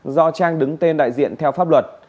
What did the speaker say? do trang đứng tên đại diện theo pháp luật